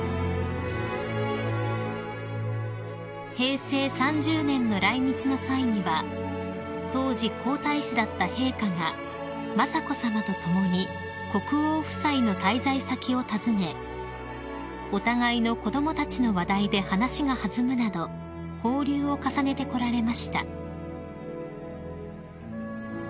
［平成３０年の来日の際には当時皇太子だった陛下が雅子さまと共に国王夫妻の滞在先を訪ねお互いの子供たちの話題で話が弾むなど交流を重ねてこられました］